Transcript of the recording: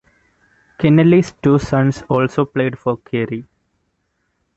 Kennelly's two sons also played for Kerry.